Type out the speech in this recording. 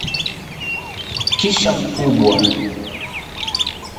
kisha mkubwa